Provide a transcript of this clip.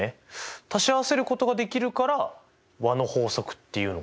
足し合わせることができるから和の法則っていうのか。